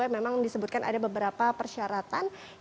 memang disebutkan ada beberapa persyaratan yang harus dilakukan